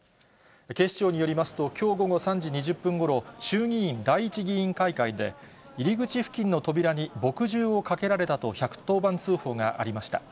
警視庁によりますと、きょう午後３時２０分ごろ、衆議院第一議員会館で、入り口付近の扉に墨汁をかけられたと１１０番通報がありました。